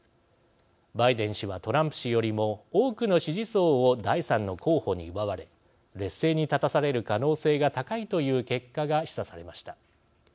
バイデン氏はトランプ氏よりも多くの支持層を第３の候補に奪われ劣勢に立たされる可能性が高いという結果が示唆されました。